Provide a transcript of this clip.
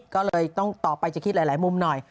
ก็เลยต้องต่อไปจะคิดหลายมุมหน่อย